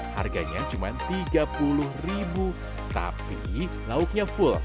harganya cuma rp tiga puluh ribu tapi lauknya full